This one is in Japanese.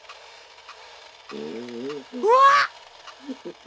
うわっ！